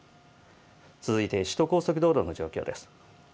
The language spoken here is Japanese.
続いて首都高速道路の状況です。